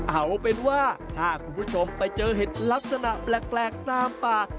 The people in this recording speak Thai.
เอาเป็นว่าถ้าคุณผู้ชมไปเจอเห็ดลักษณะแปลกตามป่า